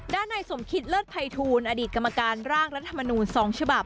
ด้านในสมคิตเลิศภัยทูลอดีตกรรมการร่างรัฐมนูล๒ฉบับ